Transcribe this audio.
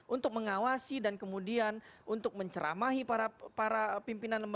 untuk mengawasi dan kemudian untuk menceramahi para pimpinan